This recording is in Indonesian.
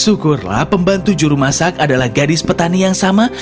syukurlah pembantu juru masak adalah gadis petani yang sama